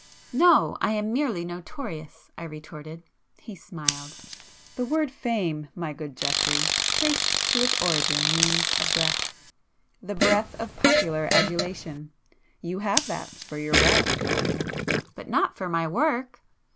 "No. I am merely notorious," I retorted. He smiled. "The word fame, my good Geoffrey, traced to its origin means 'a breath'—the breath of popular adulation. You have that—for your wealth." "But not for my work!"